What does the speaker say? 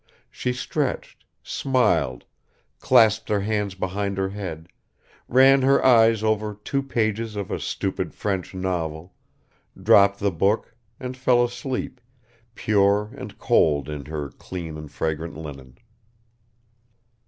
She stretched, smiled, clasped her hands behind her head, ran her eyes over two pages of a stupid French novel, dropped the book and fell asleep, pure and cold in her clean and fragrant linen.